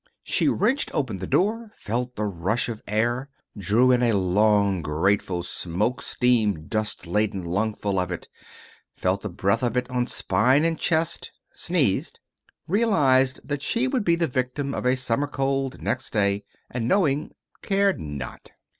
She wrenched open the door, felt the rush of air, drew in a long, grateful, smoke steam dust laden lungful of it, felt the breath of it on spine and chest, sneezed, realized that she would be the victim of a summer cold next day, and, knowing, cared not.